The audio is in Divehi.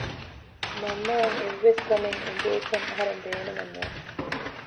މަންމައަށް އެއްވެސް ކަމެއް އެނގޭކަށް އަހަރެން ބޭނުމެއް ނޫން